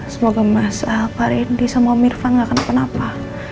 semoga mas alvar indi sama mirvan gak kena penapa